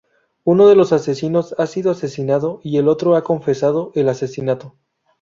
Uno de los asesinos ha sido asesinado, y el otro ha confesado el asesinato.